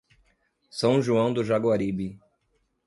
São João do Jaguaribe